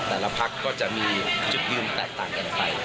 แต่ละพักก็จะมีจุดยืนแตกต่างกันไป